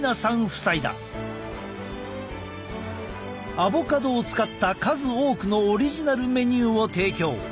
アボカドを使った数多くのオリジナルメニューを提供。